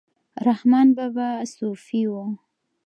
رحمان بابا صوفي و